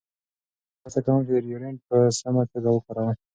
زه هڅه کوم چې ډیوډرنټ په سمه توګه وکاروم.